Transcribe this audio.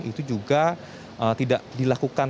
itu juga tidak dilakukan